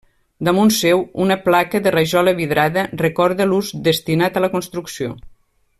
Damunt seu, una placa de rajola vidrada recorda l'ús destinat a la construcció.